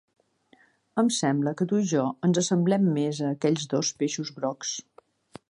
Em sembla que tu i jo ens assemblem més a aquells dos peixos grocs.